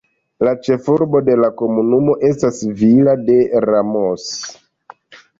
La ĉefurbo de la komunumo estas Villa de Ramos.